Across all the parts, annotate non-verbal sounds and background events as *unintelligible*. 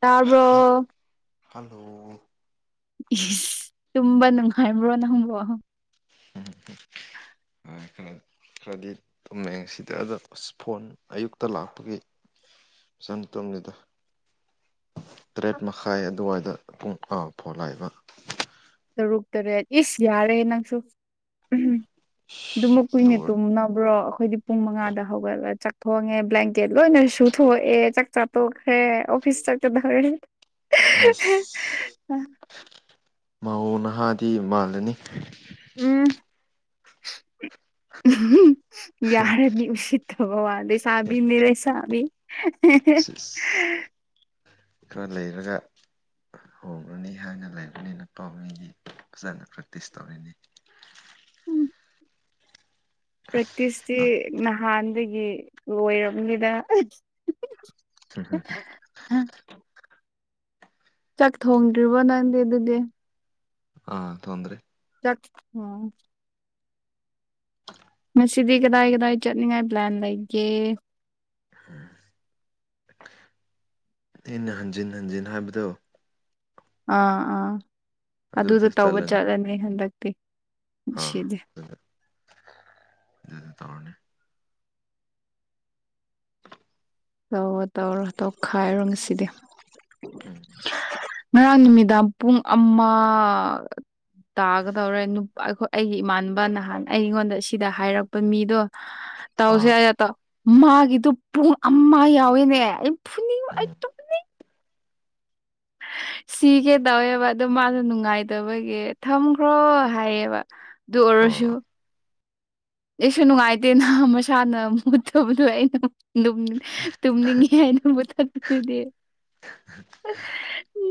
ꯇꯔꯕ hello ꯏꯁ ꯇꯨꯝꯕ ꯅꯨꯡꯉꯥꯏꯕ꯭ꯔꯣ ꯅꯪꯕ꯭ꯔꯣ ꯎꯝ ꯈꯔ ꯈꯔꯗꯤ ꯇꯨꯝꯃꯦ ꯁꯤꯗ ꯑꯗ ꯑꯁ ꯐꯣꯟ ꯑꯌꯨꯛꯇ ꯂꯥꯛꯄꯒꯤ ꯁꯟ ꯇꯣꯝꯉꯗ ꯇꯔꯦꯠ ꯃꯈꯥꯏ ꯑꯗꯨꯋꯥꯏꯗ ꯄꯨꯡ ꯑꯃꯐꯥꯎꯂꯥꯏꯕ ꯇꯔꯨꯛ ꯇꯔꯦꯠ ꯏꯁ ꯌꯥꯔꯦ ꯅꯪꯁꯨ ꯎꯝ ꯑꯗꯨꯃꯛ ꯀꯨꯏꯅꯦ ꯑꯗꯨꯒ ꯇꯨꯝꯅꯕ꯭ꯔꯣ ꯑꯩꯈꯣꯏꯗꯤ ꯄꯨꯡ ꯃꯉꯥꯗ ꯍꯧꯒꯠꯂꯒ ꯆꯥꯛ ꯊꯣꯡꯉꯦ ꯕ꯭ꯂꯥꯟꯀꯦꯠ ꯂꯣꯏꯅ ꯁꯨꯊꯣꯛꯑꯦ ꯆꯥꯛ ꯆꯥꯊꯣꯛꯈ꯭ꯔꯦ ꯑꯣꯐꯤꯁꯇ ꯗꯔ ꯃꯥꯎꯧ ꯅꯍꯥꯗꯤ ꯃꯥꯜꯂꯅꯤ ꯎꯝ ꯌꯥꯔ ꯃꯤꯁꯤ ꯋꯥꯗꯦꯁꯕꯤ ꯃꯔꯦꯁꯥꯕꯤ ꯁꯤꯁ ꯈꯔ ꯂꯩꯔꯒ ꯍꯣꯡꯡꯂꯅꯤ ꯍꯥꯏꯅ ꯂꯩꯔꯕꯅꯤꯅ ꯄꯥꯎꯃꯤꯗꯤ ꯐꯖꯅ ꯄ꯭ꯔꯦꯛꯇꯤꯁ ꯇꯧꯔꯤꯅꯤ ꯄ꯭ꯔꯦꯛꯇꯤꯁꯇꯤ ꯅꯍꯥꯟꯗꯒꯤ ꯂꯣꯏꯔꯝꯅꯤꯗ ꯍꯝ ꯍ ꯍ ꯍꯥ ꯆꯥꯛ ꯊꯣꯡꯗ꯭ꯔꯤꯕꯣ ꯅꯪꯗꯤꯦ ꯑꯗꯨꯗꯤ ꯑꯥ ꯇꯣꯟ꯭ꯔꯤ ꯆꯠ ꯎꯝ ꯉꯁꯤꯗꯤ ꯀꯗꯥꯏ ꯀꯗꯥꯏ ꯆꯠꯅꯤꯡꯉꯥꯏ ꯄ꯭ꯂꯥꯟ ꯂꯩꯒꯦ ꯎꯝ ꯑꯩꯅ ꯍꯟꯖꯤꯟ ꯍꯟꯖꯤꯟ ꯍꯥꯏꯕꯗꯣ ꯑꯥ ꯑꯥ ꯑꯗꯨꯗꯣ ꯇꯧꯕ ꯆꯠꯂꯅꯤ ꯍꯟꯗꯛꯇꯤꯁꯤꯗꯤ ꯑꯗꯨ ꯇꯧꯔꯅꯤ ꯇꯧꯔꯣ ꯇꯧꯔꯣ ꯇꯧꯈꯥꯏꯔꯣ ꯉꯁꯤꯗꯤ ꯎꯝ ꯉꯔꯥꯡ ꯅꯨꯃꯤꯗꯥꯡ ꯄꯨꯡ ꯑꯃ ꯇꯥꯒꯗꯧꯔꯦ ꯑꯩꯈꯣꯏ ꯑꯩꯒꯤ ꯏꯃꯅꯕ ꯅꯍꯥꯟ ꯑꯩꯉꯣꯟꯗ ꯁꯤꯗ ꯍꯥꯏꯔꯛꯄ ꯃꯤꯗꯣ ꯇꯧꯁꯦ ꯑꯥ ꯑꯌꯥ ꯇꯥꯎ ꯃꯥꯒꯤꯗꯨ ꯄꯨꯡ ꯑꯃ ꯌꯥꯎꯋꯤꯅꯦ ꯑꯩ ꯐꯨꯅꯤꯡꯕ ꯑꯩ ꯎꯝ ꯇꯨꯝ ꯁꯤꯒꯦ ꯇꯧꯋꯦꯕ ꯑꯗꯨ ꯃꯥꯁꯨ ꯅꯨꯡꯉꯥꯏꯗꯕꯒꯤ ꯊꯝꯈ꯭ꯔꯣ ꯍꯥꯏꯌꯦꯕ ꯑꯗꯨ ꯑꯣ ꯑꯣꯏꯔꯁꯨ ꯑꯩꯁꯨ ꯅꯨꯡꯉꯥꯏꯇꯦ ꯅꯍ ꯃꯁꯥꯅ ꯃꯨꯠꯇꯕꯗꯣ ꯑꯩꯅ ꯑꯗꯨꯝ ꯇꯨꯝꯅꯤꯡꯉꯤ ꯍꯥꯏꯅꯕꯨꯊꯛꯇꯨꯗꯤ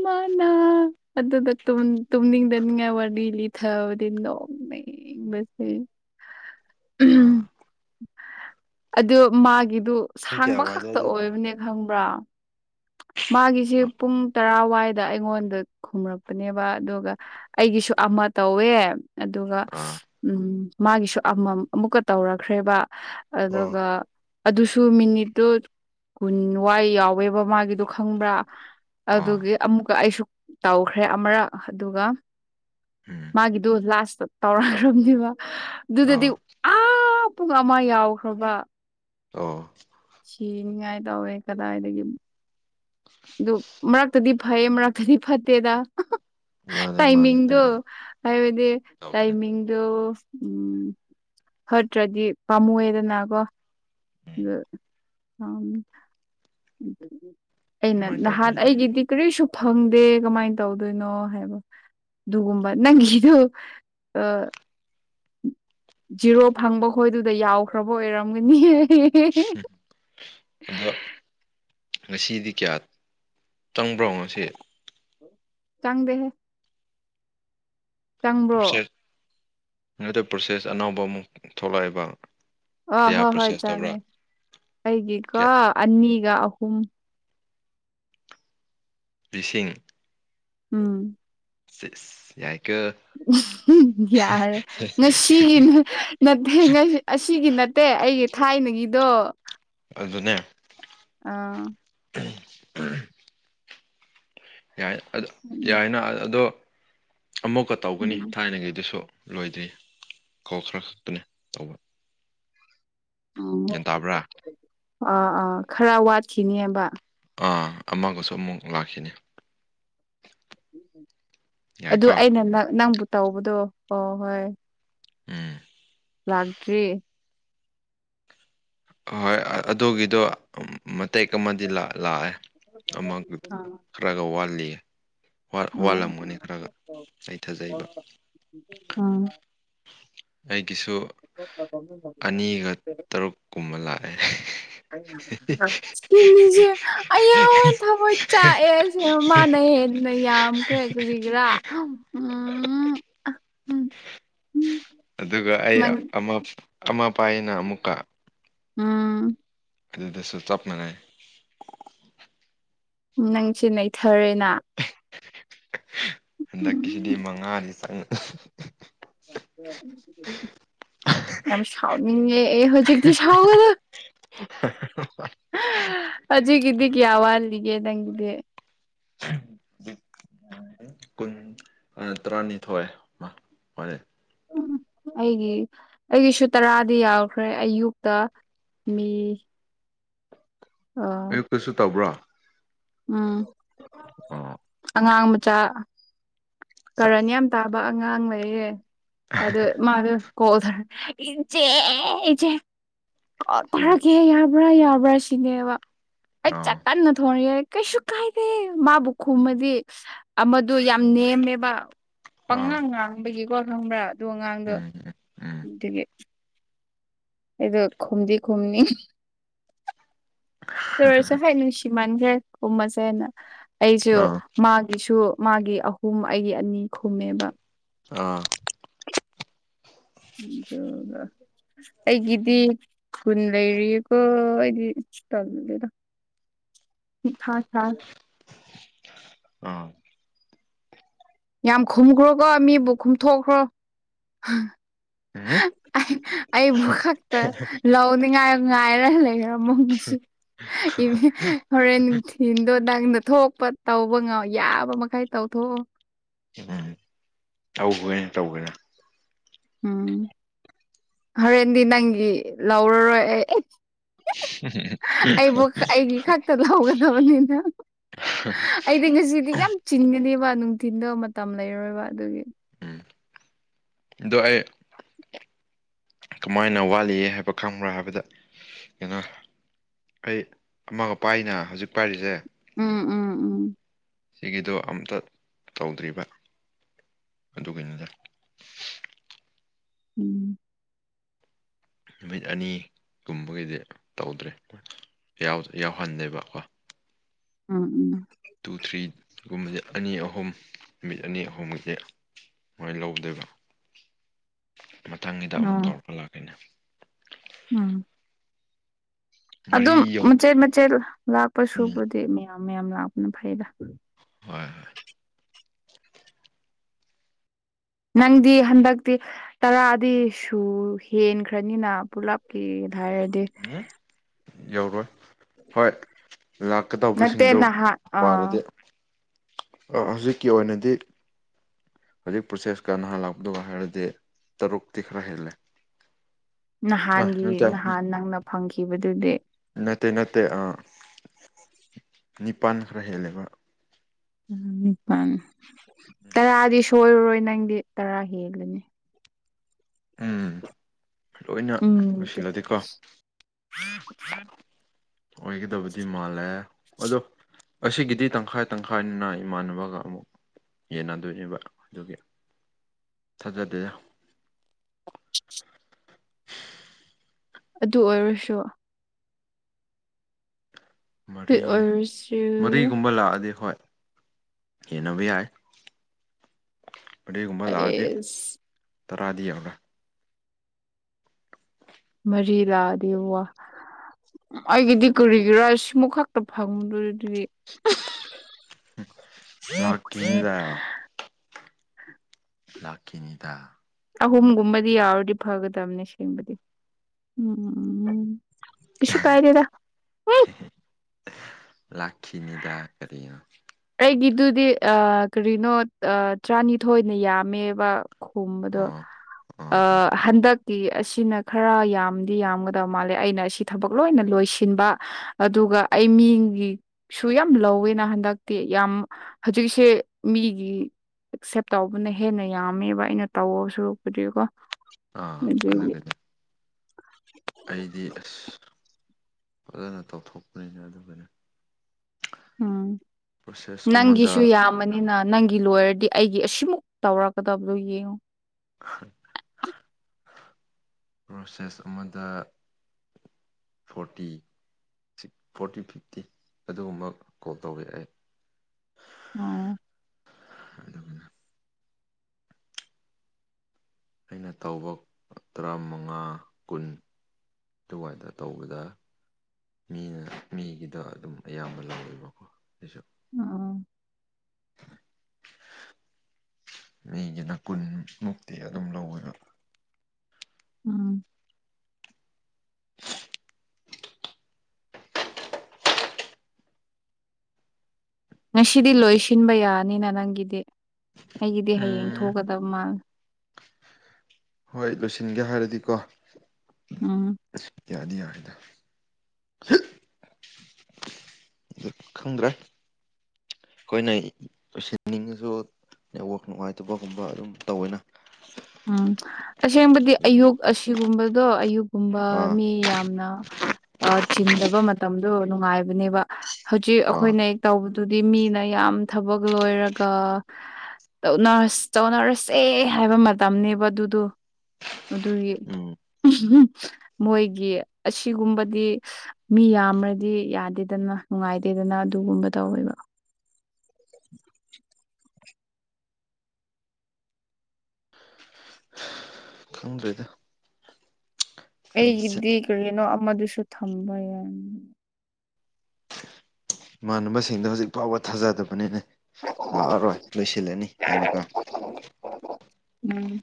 ꯃꯥꯅꯥ ꯑꯗꯨꯗ ꯇ ꯇ ꯗꯟꯋꯥꯅꯤ ꯏ ꯂꯤ ꯊꯗꯤ ꯅ ꯅꯁꯦ ꯑꯥ ꯑꯗꯨ ꯃꯥꯒꯤꯗꯨ ꯄꯨꯡ ꯀꯌꯥ ꯁꯥꯡꯕ ꯈꯛꯇ ꯋꯥꯏꯗꯋꯥꯏꯗ ꯑꯣꯏꯕꯅꯦ ꯇꯨꯝꯒꯦ ꯈꯪꯕ꯭ꯔꯥ ꯃꯥꯒꯤꯁꯤ ꯑ ꯄꯨꯡ ꯇꯔꯥꯋꯥꯏꯗ ꯑꯩꯉꯣꯟꯗ ꯈꯨꯝꯔꯛꯄꯅꯦꯕ ꯑꯗꯨꯒ ꯑꯩꯒꯤꯁꯨ ꯑꯃ ꯇꯧꯋꯦ ꯑꯗꯨꯒ ꯑꯥ ꯎꯝ ꯃꯥꯒꯤꯁꯨ ꯑꯃꯝ ꯑꯃꯨꯛꯀ ꯇꯧꯔꯈ꯭ꯔꯦꯕ ꯑꯣ ꯑꯗꯨꯒ ꯑꯗꯨꯁꯨ ꯃꯤꯅꯤꯠꯇꯨ ꯀꯨꯟ ꯋꯥꯏ ꯌꯥꯎꯋꯦꯕ ꯃꯥꯒꯤꯗꯣ ꯈꯪꯕ꯭ꯔꯥ ꯑꯣ ꯑꯗꯨꯒꯤ ꯑꯃꯨꯛꯀ ꯑꯩꯁꯨ ꯇꯧꯈ꯭ꯔꯦ ꯑꯃꯔꯛ ꯑꯗꯨꯒ ꯎꯝ ꯃꯥꯒꯤꯗꯨ ꯂꯥꯁꯇ ꯇꯧꯔꯈ꯭ꯔꯝꯅꯦꯕ ꯑꯗꯨꯗꯗꯤ ꯑꯣ ꯑꯥ ꯄꯨꯡ ꯑꯃ ꯌꯥꯎꯈ꯭ꯔꯕ ꯑꯣ ꯁꯤꯅꯤꯉꯥꯏ ꯇꯧꯔꯦ ꯀꯗꯥꯏꯗꯒꯤ ꯗꯨꯛ ꯃꯔꯛꯇꯗꯤ ꯐꯩ ꯃꯔꯛꯇꯗꯤ ꯐꯠꯇꯦꯗ ꯃꯥꯅꯦ ꯃꯥꯅꯦ ꯇꯥꯏꯃꯤꯡꯗꯨ ꯇꯃꯥꯏꯅ ꯍꯥꯏꯕꯗꯤ ꯇꯧꯕꯅꯦ ꯇꯥꯏꯃꯤꯡꯗꯨ ꯎꯝ ꯐꯠꯇ꯭ꯔꯗꯤ ꯄꯥꯝꯃꯨꯑꯦꯗꯅꯒꯣ ꯎꯝ ꯗ ꯑꯝ ꯑꯩꯅ ꯑꯗꯨꯃꯥꯏꯅ ꯅꯍꯥꯟ ꯇꯧꯕꯅꯤꯗ ꯑꯩꯒꯤꯗꯤ ꯀꯔꯤꯁꯨ ꯐꯪꯗꯦ ꯀꯃꯥꯏꯟ ꯇꯧꯗꯣꯏꯅꯣ ꯍꯥꯏꯕ ꯗꯨꯒꯨꯝꯕ ꯅꯪꯒꯤꯗꯨ ꯑ ꯖꯤꯔꯣ ꯐꯪꯕ ꯈꯣꯏꯗꯨꯗ ꯌꯥꯎꯈ꯭ꯔꯕ ꯑꯣꯏꯔꯝꯒꯅꯤꯌꯦ ꯍꯝ ꯑꯗꯣ ꯉꯁꯤꯗꯤ ꯀꯌꯥ ꯆꯪꯕ꯭ꯔꯣ ꯉꯁꯤ ꯆꯥꯡꯗꯦꯍꯦ ꯆꯪꯕ꯭ꯔꯣ ꯄ꯭ꯔꯣꯁꯦꯠ ꯑꯗꯨ ꯄ꯭ꯔꯣꯁꯦꯁ ꯑꯅꯧꯕ ꯑꯃꯨꯛ ꯊꯣꯛꯂꯑꯦꯕ ꯑ ꯍꯣꯏ ꯍꯣꯏ ꯆꯪꯉꯦ ꯑꯩꯒꯤꯀꯣ ꯀꯌꯥ ꯑꯅꯤꯒ ꯑꯍꯨꯝ ꯂꯤꯁꯤꯡ ꯎꯝ ꯁꯤꯠꯁ ꯌꯥꯏ ꯀ ꯑꯝꯍꯝ ꯌꯥꯔꯦ ꯉꯁꯤꯒꯤꯅ ꯅꯠꯊꯦ ꯉꯩ ꯑꯁꯤꯒꯤ ꯅꯠꯇꯦ ꯑꯩꯒꯤ ꯊꯥꯏꯅꯒꯤꯗꯣ ꯑꯗꯨꯅꯦ ꯑꯥ *inaudible* ꯌꯥꯏ ꯑꯗꯣ ꯎꯝ ꯌꯥꯏꯅ ꯑ ꯑꯗꯣ ꯑꯃꯨꯛꯀ ꯇꯧꯒꯅꯤ ꯊꯥꯏꯅꯒꯤꯗꯨꯁꯨ ꯂꯣꯏꯗ꯭ꯔꯤ ꯀꯧꯇ꯭ꯔꯥ ꯁꯠꯄꯅꯦ ꯇꯧꯕ ꯎꯝ ꯒ꯭ꯌꯟ ꯇꯥꯕ꯭ꯔꯥ ꯑꯥ ꯑꯥ ꯈꯔꯥ ꯋꯥꯠꯈꯤꯅꯦꯕ ꯑꯥ ꯑꯃꯒꯁꯨ ꯑꯃꯨꯛ ꯂꯥꯛꯈꯤꯅꯤ ꯑꯗꯨ ꯌꯥꯏꯀꯣ ꯑꯩꯅ ꯅ ꯅꯪꯕꯨ ꯇꯧꯕꯗꯣ ꯍꯣ ꯍꯣꯏ ꯑꯝ ꯂꯥꯛꯇ꯭ꯔꯤ ꯑꯣꯍꯣꯏ ꯑ ꯑꯗꯣꯒꯤꯗꯣ ꯃꯇꯦꯛ ꯑꯃꯗꯤ ꯂꯥꯑꯦ ꯑꯃ ꯒꯠ ꯑꯥ ꯈꯔꯒ ꯋꯥꯠꯂꯤꯌꯦ ꯍꯥꯏ ꯑꯥ ꯋꯥꯂꯝꯒꯅꯤ ꯈꯔꯒ ꯑꯩ ꯊꯥꯖꯩꯕ ꯑꯥ ꯑꯩꯒꯤꯁꯨ ꯑꯅꯤꯒ ꯇꯔꯨꯛ ꯀꯨꯝꯕ ꯂꯥꯛꯑꯦ ꯑ ꯏꯁꯀ꯭ꯔꯤꯅꯤꯡꯖꯦ ꯑꯌ ꯊꯕꯣꯏ ꯆꯥꯛꯑꯦ ꯑꯁꯦꯌꯝ ꯃꯥꯅ ꯍꯦꯟ ꯅ ꯌꯥꯝꯈ꯭ꯔꯦ ꯀꯔꯤꯒ꯭ꯔꯥ ꯎꯝ ꯑ ꯍꯝ ꯑꯗꯨꯒ ꯑꯩ ꯑꯃ ꯑꯃ ꯄꯥꯏꯌꯦꯅ ꯑꯃꯨꯛꯀ ꯎꯝ ꯑꯗꯨꯗꯁꯨ ꯆꯞ ꯃꯅꯥꯏ ꯅꯪꯁꯤ ꯅꯩꯊꯔꯦꯅ ꯍꯟꯗꯛꯀꯤꯁꯤꯗꯤ ꯎꯝ ꯃꯉꯥꯗꯤ ꯆꯪꯉꯛ ꯌꯥꯝ ꯁꯥꯎꯅꯤꯡꯉꯦ ꯑꯩ ꯍꯣꯖꯤꯛꯇꯤ ꯁꯥꯎꯒꯗ ꯑꯖꯤꯒꯤꯗꯤ ꯀꯋꯥ ꯋꯥꯠꯂꯤꯒꯦ ꯅꯪꯗꯦ ꯍꯧꯖꯤꯛ ꯑꯥ ꯇꯔꯥꯅꯤꯊꯣꯏ ꯃ ꯃꯥꯅꯦ ꯍꯝꯍꯝ ꯑꯩꯒꯤ ꯑꯩꯒꯤꯁꯨ ꯇꯔꯥꯗꯤ ꯌꯥꯎꯈ꯭ꯔꯦ ꯑꯌꯨꯛꯇ ꯃꯤ ꯑꯥ ꯀꯩꯁꯨ ꯇꯧꯕ꯭ꯔꯣ ꯎꯝ ꯑꯣ ꯑꯉꯥꯡ ꯃꯆꯥ ꯆꯥ ꯀꯔꯟ ꯌꯥꯝ ꯇꯥꯕ ꯑꯉꯥꯡ ꯂꯩꯌꯦ ꯑꯗꯨ ꯃꯥꯗꯣ ꯀꯣ ꯊꯔ ꯏꯆꯦ ꯏꯆꯦ ꯀ ꯎꯝ ꯊꯔꯒ ꯌꯥ ꯌꯥꯕ꯭ꯔꯥ ꯌꯥꯕ꯭ꯔꯥ ꯁꯤꯅꯦꯕ ꯑꯩ ꯆ ꯑꯥ ꯀꯟꯅ ꯊꯣꯡꯅꯑ ꯀꯩꯁꯨ ꯀꯥꯏꯗꯦ ꯃꯥꯕꯨ ꯈꯨꯝꯃꯗꯤ ꯑꯃꯗꯨ ꯌꯥꯝ ꯅꯦꯝꯃꯦꯕ ꯑꯥ ꯄꯪꯉꯥꯡ ꯉꯥꯡꯕꯒꯤꯀꯣ ꯈꯪꯕ꯭ꯔꯥ ꯑꯗꯨ ꯑꯉꯥꯡꯗꯣ ꯎꯝ ꯎꯝ ꯎꯝ ꯑꯗꯨꯗꯒꯤ ꯑꯩꯗꯣ ꯈꯨꯝꯗꯤ ꯈꯨꯝꯅꯤ ꯇꯔꯁꯨ ꯍꯥꯏꯥꯏ ꯅꯨꯡꯁꯤ ꯃꯥꯟꯈ꯭ꯔꯦ ꯀꯨꯝꯃꯁꯦꯅ ꯑꯩꯁꯨ ꯑꯥ ꯃꯥꯒꯤꯁꯨ ꯃꯥꯒꯤ ꯑꯍꯨꯝ ꯑꯩꯒꯤ ꯑꯅꯤ ꯈꯨꯝꯃꯦꯕ ꯑꯥ *unintelligible* ꯑꯩꯒꯤꯗꯤ ꯈꯨꯨꯟ ꯂꯩꯔꯤꯀꯣ ꯑꯩꯗꯤ ꯇꯂꯨꯗꯦꯗ ꯃꯊꯥ ꯁꯥꯏ ꯑꯥ ꯌꯥꯝ ꯈꯨꯝꯈ꯭ꯔꯣꯀꯣ ꯃꯤꯕꯨ ꯀꯨꯝꯊꯣꯛꯈ꯭ꯔꯣ ꯎꯝ ꯑꯩꯕꯨ ꯈꯛꯇ ꯂꯧꯅꯤꯡꯉꯥꯏ ꯉꯥꯏꯔ ꯂꯩꯔꯝꯃꯣ ꯉꯁꯤ ꯍꯣꯔꯦꯟ ꯅꯨꯡꯊꯤꯟꯗꯣ ꯅꯪꯅ ꯊꯣꯛꯄ ꯇꯧꯕ ꯉꯥ ꯌꯥꯕ ꯃꯈꯩ ꯇꯧꯊꯣꯛꯑꯝꯃꯣ *unintelligible* ꯇꯧꯈꯣꯏꯌꯦ ꯇꯧꯒꯦꯔꯥ ꯎꯝ ꯍꯣꯔꯦꯟꯗꯤ ꯅꯪꯒꯤ ꯂꯧꯔꯔꯣꯏ ꯑꯩ ꯑꯩꯕꯨ ꯑꯩꯒꯤ ꯈꯛꯇ ꯂꯧꯒꯗꯕꯅꯤꯅ ꯑꯩꯗꯤ ꯉꯁꯤꯗꯤ ꯌꯥꯝ ꯆꯤꯟꯒꯅꯦꯕ ꯅꯨꯡꯊꯤꯟꯗ ꯃꯇꯝ ꯂꯩꯔꯣꯏꯕ ꯑꯗꯨꯒꯤ ꯎꯝ ꯑꯗꯣ ꯑꯩ ꯀꯃꯥꯏꯅ ꯋꯥꯠꯂꯤꯌꯦ ꯍꯥꯏꯕ ꯈꯪꯕ꯭ꯔꯥ ꯍꯥꯏꯕꯗ ꯀꯩꯅꯣ ꯑꯩ ꯑꯃ ꯄꯥꯏꯅꯥ ꯍꯧꯖꯤꯛ ꯄꯥꯏꯔꯤꯁꯦ ꯎꯝ ꯎꯝ ꯎꯝ ꯁꯤꯒꯤꯗꯣ ꯑꯝꯇ ꯇꯧꯗ꯭ꯔꯤꯕ ꯑꯗꯨꯒꯤꯅꯤꯅ ꯎꯝ ꯅꯨꯃꯤꯠ ꯑꯅꯤꯒꯨꯝꯕꯒꯤꯗꯤ ꯇꯧꯗ꯭ꯔꯦ ꯌꯥꯎ ꯌꯥꯎꯍꯟꯗꯦꯕꯀꯣ ꯎꯝ ꯎꯝ ꯇꯨ ꯊ꯭ꯔꯤ ꯒꯨꯝꯕꯁꯦ ꯑꯅꯤ ꯑꯍꯨꯝ ꯅꯨꯃꯤꯠ ꯑꯅꯤ ꯑꯍꯨꯝꯒꯤꯗꯤ ꯃꯣꯏ ꯂꯧꯗꯣꯏꯕ ꯃꯊꯪꯒꯤꯗ ꯑꯃꯨꯛ ꯎꯝ ꯇꯧꯔꯛꯄ ꯂꯥꯛꯀꯅꯦ ꯎꯝ ꯃꯔꯤ ꯑꯗꯨꯝ ꯌꯧ ꯃꯆꯦꯠ ꯃꯆꯦꯠ ꯂꯥꯛꯄ ꯎꯝ ꯁꯨꯕꯗꯤ ꯃꯌꯥꯝ ꯃꯌꯥꯝ ꯂꯥꯛꯄꯅ ꯐꯩꯗ ꯍꯣꯏ ꯍꯣꯏ ꯅꯪꯗꯤ ꯍꯟꯗꯛꯇꯤ ꯇꯔꯥꯗꯤ ꯁꯨ ꯍꯦꯟꯈ꯭ꯔꯅꯤꯅ ꯄꯨꯂꯞꯀꯤ ꯊꯥꯔ ꯎꯝ ꯌꯧꯔꯣꯏ ꯍꯣꯏ ꯂꯥꯛ ꯅꯠꯇꯦ ꯀꯗꯧꯕꯁꯤꯡꯗꯣ ꯅꯍꯥꯟ ꯑꯥ ꯄꯥꯔꯗꯤ ꯍꯧꯖꯤꯛꯀꯤ ꯑꯣꯏꯅꯗꯤ ꯍꯧꯖꯤꯛ ꯄ꯭ꯔꯣꯁꯦꯁꯀ ꯅꯍꯥꯟ ꯂꯥꯛꯄꯗꯨꯒ ꯍꯥꯏꯔꯗꯤ ꯇꯔꯨꯛꯇꯤ ꯈꯔ ꯍꯦꯜꯂꯦ ꯑ ꯅꯍꯥꯟꯒꯤ ꯅꯠꯇꯦ ꯅꯍꯥꯟ ꯅꯪꯅ ꯐꯪꯈꯤꯕꯗꯨꯗꯤ ꯅꯠꯇꯦ ꯅꯠꯇꯦ ꯑꯥ ꯅꯤꯄꯥꯟ ꯈꯔ ꯍꯦꯜꯂꯦꯕ ꯎꯝ ꯅꯤꯄꯥꯟ ꯇꯔꯥꯗꯤ ꯁꯣꯏꯔꯔꯣꯏ ꯅꯪꯗꯤ ꯇꯔꯥ ꯍꯦꯜꯂꯅꯤ ꯎꯝ ꯂꯣꯏꯅ ꯎꯝ ꯂꯣꯏꯁꯤꯜꯂꯗꯤꯀꯣ *unintelligible* ꯑꯣꯏꯒꯗꯕꯗꯤ ꯃꯥꯜꯂꯦ ꯑꯗꯣ ꯑꯁꯤꯒꯤꯗꯤ ꯇꯪꯈꯥꯏ ꯇꯪꯈꯥꯏꯅꯤꯅ ꯏꯃꯥꯟꯅꯕꯒ ꯑꯃꯨꯛ ꯌꯦꯟꯅꯗꯣꯏꯅꯦꯕ ꯑꯗꯨꯒꯤ ꯊꯥꯖꯗꯦꯗ ꯑꯗꯨ ꯑꯣꯏꯔꯁꯨ ꯑꯗꯨ ꯃꯔꯤ ꯑꯣꯏꯔꯁꯨ ꯃꯔꯤꯒꯨꯝꯕ ꯂꯥꯛꯑꯗꯤ ꯍꯣꯏ ꯌꯦꯟꯅꯕ ꯌꯥꯏ ꯃꯔꯤꯒꯨꯝꯕ ꯂꯥꯛꯑꯗꯤ ꯑꯦꯁ ꯇꯔꯥꯗꯤ ꯌꯧꯔꯣꯏ ꯃꯔꯤ ꯂꯥꯛꯑꯗꯤ ꯋꯥ ꯑꯩꯒꯤꯗꯤ ꯀꯔꯤꯒꯤꯔꯥ ꯁꯤꯃꯨꯛ ꯈꯛꯇ ꯐꯪꯗꯨꯔꯤ ꯑꯗꯨꯗꯤ ꯂꯥꯛꯀꯤ ꯅꯤꯗꯥ ꯂꯥꯛꯈꯤꯅꯤꯗꯥ ꯑꯍꯨꯝꯒꯨꯝꯕꯗꯤ ꯌꯥꯎꯔꯗꯤ ꯐꯒꯗꯕꯅꯦ ꯁꯦꯡꯕꯗꯤ ꯎꯝ ꯀꯩꯁꯨ ꯀꯥꯏꯗꯦꯗꯥ *unintelligible* ꯂꯥꯈꯤꯅꯤꯗꯥ ꯀꯔꯤꯅꯣ ꯑꯩꯒꯤꯗꯨꯗꯤ ꯑꯥ ꯀꯔꯤꯅꯣ ꯑꯥ ꯇꯔꯥꯅꯤꯊꯣꯏꯅ ꯌꯥꯝꯃꯦꯕ ꯈꯨꯝꯕꯗꯣ ꯑꯣ ꯑ ꯑꯣ ꯑꯣ ꯍꯟꯗꯛ ꯀꯤ ꯑꯁꯤꯅ ꯈꯔ ꯌꯥꯝꯗꯤ ꯌꯥꯝꯒꯗꯕ ꯃꯥꯜꯂꯦ ꯑꯩꯅ ꯑꯁꯤ ꯊꯕꯛ ꯂꯣꯏꯅ ꯂꯣꯏꯁꯤꯟꯕ ꯑꯗꯨꯒ ꯑꯩ ꯃꯤꯒꯤꯁꯨ ꯌꯥꯝ ꯂꯧꯋꯦꯅ ꯍꯟꯗꯛ ꯇꯤ ꯌꯥꯝ ꯍꯧꯖꯤꯛꯁꯦ ꯃꯤꯒꯤ ꯑꯦꯛꯁꯦꯞ ꯇꯧꯕꯅ ꯍꯦꯟꯅ ꯌꯥꯝꯃꯦꯕ ꯑꯩꯅ ꯇꯧ ꯁꯨꯔꯛꯄꯨꯗꯤꯀꯣ ꯑꯥ ꯑꯗꯨꯒꯤ ꯑꯗꯨꯒꯤꯅꯦ ꯑꯩꯗꯤ ꯑꯁ ꯐꯖꯅ ꯇꯧꯊꯣꯛꯄꯅꯤꯅ ꯑꯗꯨꯅꯤ ꯎꯝ ꯄ꯭ꯔꯣꯁꯦꯁ ꯅꯪꯒꯤꯁꯨ ꯑꯃꯗ ꯌꯥꯝꯃꯅꯤ ꯑꯩꯅ ꯅꯪꯒꯤ ꯂꯣꯏꯣꯌꯔꯗꯤ ꯑꯩꯒꯤ ꯑꯁꯤꯃꯨꯛ ꯇꯧꯔꯛꯀꯗꯕꯗꯨꯣ ꯌꯦꯡꯉꯣ ꯄ꯭ꯔꯣꯁꯦꯁ ꯑꯃꯗ ꯐꯣꯔꯇꯤ ꯐꯣꯔꯇꯤ ꯐꯤꯐꯇꯤ ꯑꯗꯨꯒꯨꯝꯕ ꯀꯣꯜ ꯇꯧꯋꯦ ꯑꯩ ꯑꯥ ꯍ ꯑꯩꯅ ꯇꯧꯕ ꯇꯔꯥꯃꯉꯥ ꯀꯨꯟ ꯑꯗꯨꯥꯏꯅ ꯇꯧꯕꯗ ꯃꯤꯅ ꯃꯤꯒꯤꯗꯣ ꯑꯗꯨꯝ ꯑꯌꯥꯝꯕ ꯂꯧꯋꯦꯕꯀꯣ ꯑꯩꯁꯨ ꯑ ꯃꯤꯒꯤꯅ ꯀꯨꯟꯃꯨꯛꯇꯤ ꯑꯗꯨꯝ ꯂꯧꯋꯦꯕ ꯎꯝ *inaudible* ꯉꯁꯤꯗꯤ ꯂꯣꯏ ꯁꯤꯟꯕ ꯌꯥꯔꯅꯤꯅ ꯅꯪꯒꯤꯗꯤ ꯑꯩꯒꯤꯗꯤ ꯍꯌꯦꯡ ꯎꯝ ꯊꯣꯛꯒꯗꯕ ꯃꯥꯜꯂꯦ ꯍꯣꯏ ꯂꯣꯏꯁꯤꯟꯒꯦ ꯍꯥꯏꯔꯗꯤꯀꯣ ꯎꯝ ꯑ ꯌꯥꯗꯤ ꯌꯥ ꯍꯥꯏꯦꯗ ꯈꯥꯟꯗ꯭ꯔ ꯑꯩꯈꯣꯏꯅꯁꯤꯅꯤꯡꯉꯁꯨꯋꯥꯛ ꯅꯨꯡꯉꯥꯏꯇꯕꯒꯨꯝꯕ ꯑꯗꯨꯝ ꯇꯧꯋꯦꯅ ꯎꯝ ꯑꯁꯦꯡꯕꯗꯤ ꯑꯌꯨꯛ ꯑꯁꯤꯒꯨꯝꯕꯗꯣ ꯑꯌꯨꯛꯀꯨꯝꯕ ꯑꯥ ꯃꯤ ꯌꯥꯝꯅ ꯆꯤꯟꯗꯕ ꯃꯇꯝꯗꯣ ꯅꯨꯡꯉꯥꯏꯕꯅꯦꯕ ꯍꯧꯖꯤꯛ ꯑꯥ ꯑꯩꯈꯣꯏꯅ ꯇ ꯑꯗꯨꯗꯤ ꯃꯤꯅ ꯌꯥꯝ ꯊꯕꯛ ꯂꯣꯏꯔꯒ ꯇꯧꯅꯔ ꯇꯧꯅꯔꯁꯦ ꯍꯥꯏꯕ ꯃꯇꯝꯅꯦꯕ ꯑꯗꯨꯗꯣ ꯑꯗꯨꯒꯤ ꯎꯝ ꯃꯣꯏꯒꯤ ꯑꯁꯤꯒꯨꯝꯕꯗꯤ ꯃꯤ ꯌꯥꯝꯃ꯭ꯔꯗꯤ ꯌꯥꯗꯦꯗꯅ ꯅꯨꯡꯉꯥꯏꯇꯦꯗꯅ ꯑꯗꯨꯒꯨꯝꯕ ꯇꯧꯋꯦꯕ ꯈꯪꯗ꯭ꯔꯦꯗ ꯑꯩꯈꯣꯏꯒꯤꯁꯦ ꯑꯩꯒꯤꯗꯤ ꯀꯔꯤꯅꯣ ꯑꯃꯗꯨꯁꯨ ꯊꯝꯕ ꯌꯥꯏ ꯏꯃꯥꯟꯅꯕꯁꯤꯡꯗ ꯍꯧꯖꯤꯛ ꯐꯥꯎꯕ ꯊꯥꯖꯗꯕꯅꯤꯅ ꯂꯥꯛꯑꯔꯣꯏ ꯂꯣꯏꯁꯤꯜꯂꯅꯤ ꯍꯥꯏꯅ ꯀ ꯎꯝ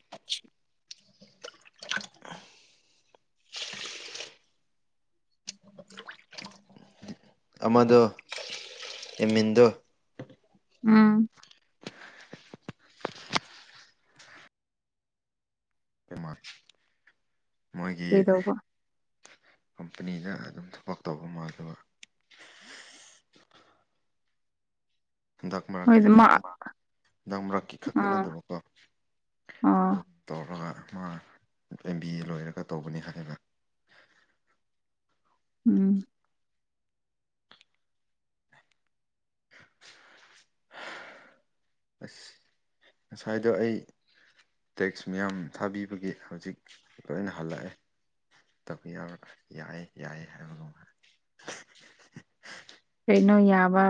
ꯑꯃꯗꯣ ꯑꯦꯃꯤꯟꯗꯣ ꯎꯝ ꯃꯣꯏꯒꯤ ꯀꯩꯗꯧꯕ ꯀꯝꯄꯅꯤꯗ ꯑꯗꯨꯝ ꯊꯕꯛ ꯇꯧꯕ ꯃꯥꯜꯂ ꯍꯟꯗꯛ ꯍꯣꯏ ꯃꯔꯛꯀꯤ ꯃꯥ ꯍꯟꯗꯛ ꯃꯔꯛꯀꯤ ꯈꯛꯇ ꯑꯥ ꯅꯠꯇꯕꯀꯣ ꯑꯥ ꯇꯧꯔꯒ ꯃꯥ ꯑꯦꯝ ꯕꯤ ꯑꯦ ꯂꯣꯏꯔꯒ ꯇꯧꯕꯅꯤ ꯍꯥꯏꯕ ꯎꯝ ꯑ ꯉꯁꯥꯏꯗꯣ ꯑꯩ ꯇꯦꯛꯁ ꯃꯌꯥꯝ ꯊꯥꯕꯤꯕꯒꯤ ꯍꯧꯖꯤꯛ ꯂꯣꯏꯅ ꯍꯜꯂꯛꯑꯦ ꯇꯄꯤꯌ ꯌꯥꯏ ꯌꯥꯏ ꯍꯥꯏ ꯀꯩꯅꯣ ꯌꯥꯕ